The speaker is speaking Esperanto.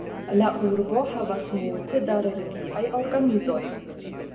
La urbo havas multe da religiaj organizoj.